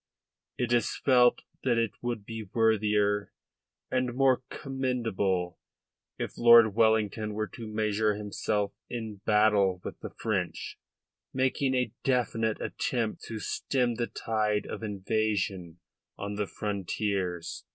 It is felt that it would be worthier and more commendable if Lord Wellington were to measure himself in battle with the French, making a definite attempt to stem the tide of invasion on the frontiers."